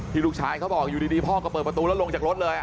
ลูกชายเขาบอกอยู่ดีพ่อก็เปิดประตูแล้วลงจากรถเลย